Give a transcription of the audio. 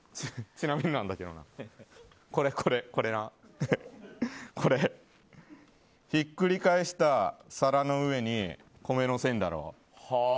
ちなみになんだけど、これひっくり返した皿の上に米のせんだろ。